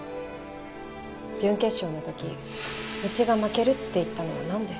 準決勝の時うちが負けるって言ったのはなんで？